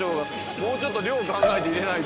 もうちょっと量を考えて入れないと。